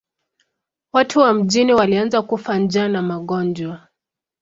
Watu wa mjini walianza kufa njaa na magonjwa.